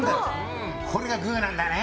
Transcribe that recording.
これがグーなんだね。